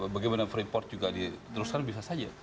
bagaimana freeport juga diteruskan bisa saja